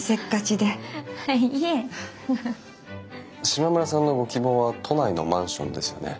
島村さんのご希望は都内のマンションですよね？